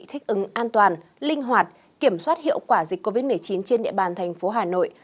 thích ứng an toàn linh hoạt kiểm soát hiệu quả dịch covid một mươi chín trên địa bàn thành phố hà nội